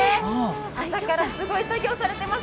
朝からすごい作業をされています。